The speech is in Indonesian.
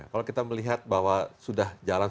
kalau kita melihat bahwa sudah jalan